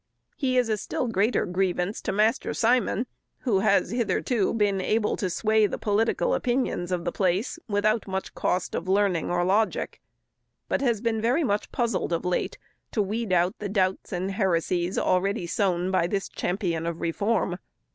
He is a still greater grievance to Master Simon, who has hitherto been able to sway the political opinions of the place, without much cost of learning or logic; but has been very much puzzled of late to weed out the doubts and heresies already sown by this champion of reform.